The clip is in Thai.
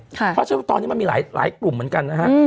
เพราะฉะนั้นตอนนี้มันมีหลายกลุ่มเหมือนกันนะฮะ